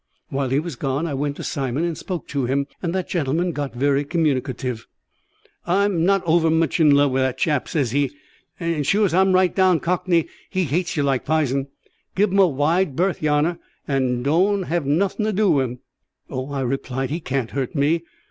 While he was gone I went to Simon, and spoke to him, and that gentleman got very communicative. "I'm not overmich in love wi' that chap," he says; "and sure's I'm a right down Cockney, he hates you like pizen. Give 'im a wide berth, yer honour, and doan't hev nothin' to do wi' 'im." "Oh," I replied, "he can't hurt me."